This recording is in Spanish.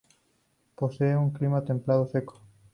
Posee un clima templado seco.